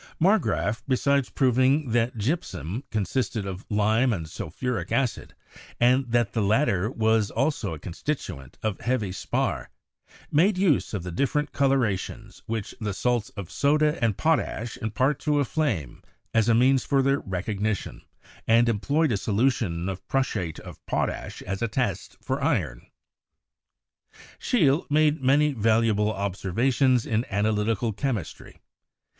Marggraf, besides proving that gypsum consisted of lime and sulphuric acid, and that the latter was also a constituent of heavy spar, made use of the different colora tions which the salts of soda and potash impart to a flame as a means for their recognition, and employed a solution of prussiate of potash as a test for iron. Scheele made many valuable observations in analytical chemistry.